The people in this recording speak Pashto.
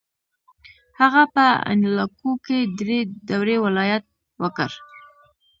هغه په انیلاکو کې درې دورې ولایت وکړ.